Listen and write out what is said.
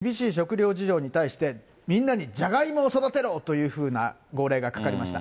食料不足、大干ばつがありまして、厳しい食料事情に対して、みんなにじゃがいもを育てろというふうな号令がかかりました。